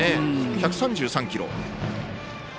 １３３キロ。